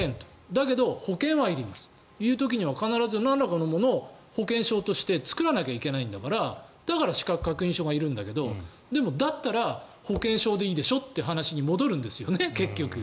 だけど保険はいりますという時に必ずなんらかのものを保険証として作らなきゃいけないんだからだから資格確認書がいるんだけどでも、だったら保険証でいいでしょという話に結局、戻るんですよね。